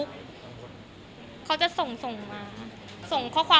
คิดเหมือนกันเลยว่า